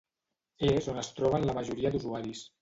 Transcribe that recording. És on es troben la majoria d'usuaris.